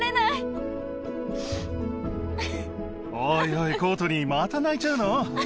おいおいコートニーまた泣いちゃうの？